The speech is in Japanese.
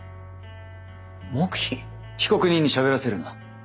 被告人にしゃべらせるな。